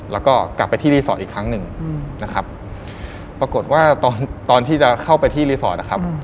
แล้วก็กลับไปที่รีสอร์ทอีกครั้งหนึ่งนะครับปรากฏว่าตอนตอนที่จะเข้าไปที่รีสอร์ทนะครับ